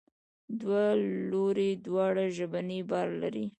دوه لوري دواړه ژبنی بار لري.